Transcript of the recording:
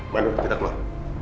manu kita keluar